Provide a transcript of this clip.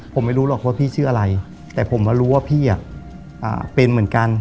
ผมไม่รู้หรอกว่าพี่ชื่ออะไรแต่ผมมารู้ว่าพี่เป็นเหมือนกัน